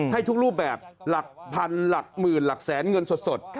ให้ทุกรูปแบบหลักพันหลักหมื่นหลักแสนเงินสด